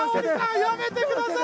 やめてください！